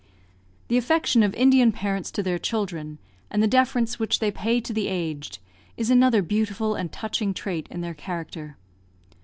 The affection of Indian parents to their children, and the deference which they pay to the aged, is another beautiful and touching trait in their character.